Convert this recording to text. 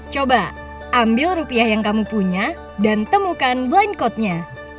coba ambil rupiah yang kamu punya dan temukan blind code nya